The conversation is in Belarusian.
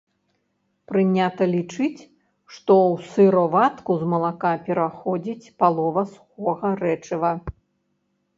Прынята лічыць, што ў сыроватку з малака пераходзіць палова сухога рэчыва.